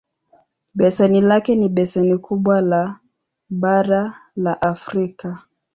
Beseni lake ni beseni kubwa le bara la Afrika.